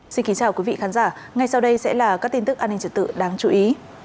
xin kính chào quý vị khán giả ngay sau đây sẽ là các tin tức an ninh trật tự đáng chú ý